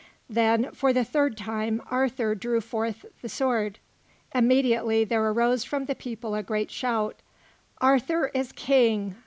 Then, for the third time, Arthur drew forth the sword. Immediately there arose from the people a great shout: "Arthur is King!